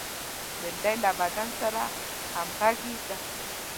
بېنډۍ له بدن سره همغږې ده